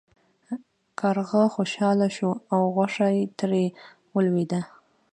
کارغه خوشحاله شو او غوښه ترې ولویده.